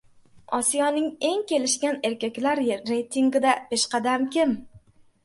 Osiyoning eng kelishgan erkaklar reytingida peshqadam kim?